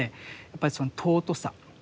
やっぱりその尊さ。